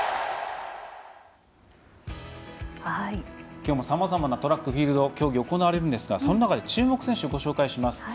今日もさまざまなトラック、フィールド競技が行われますがそんな中で注目選手をご紹介します。